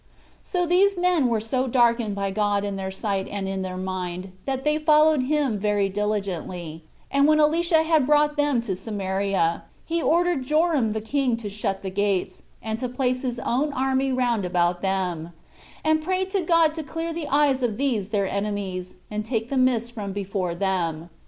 So these men were so darkened by God in their sight and in their mind, that they followed him very diligently; and when Elisha had brought them to Samaria, he ordered Joram the king to shut the gates, and to place his own army round about them; and prayed to God to clear the eyes of these their enemies, and take the mist from before them.